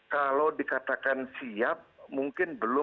kalau dikatakan siap mungkin belum